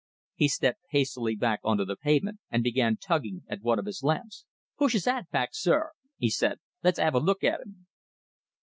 He stepped hastily back on to the pavement, and began tugging at one of his lamps. "Push his hat back, sir," he said. "Let's 'ave a look at 'im."